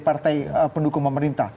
partai pendukung pemerintah